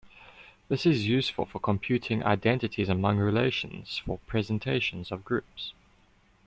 This is useful for computing identities among relations for presentations of groups.